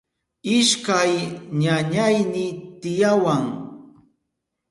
Ishkay ñañayni tiyawan.